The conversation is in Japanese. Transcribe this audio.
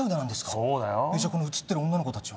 そうだよじゃあこの写ってる女の子達は？